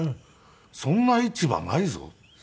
そんな市場ないぞって。